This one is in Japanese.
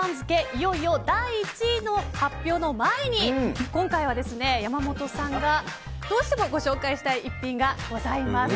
いよいよ第１位の発表の前に今回は、山本さんがどうしてもご紹介したい逸品がございます。